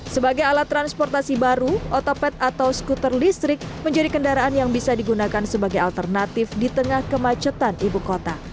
sebagai alat transportasi baru otopet atau skuter listrik menjadi kendaraan yang bisa digunakan sebagai alternatif di tengah kemacetan ibu kota